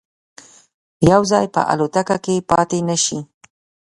یو ځای به الوتکه کې پاتې نه شي.